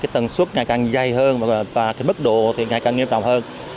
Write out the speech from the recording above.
tầng suất ngày càng dày hơn và mức độ ngày càng nghiêm trọng hơn